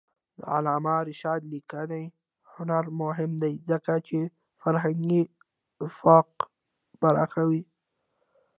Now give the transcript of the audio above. د علامه رشاد لیکنی هنر مهم دی ځکه چې فرهنګي افق پراخوي.